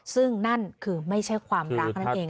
ซึ่งนั่นคือไม่ใช่ความรักนั่นเอง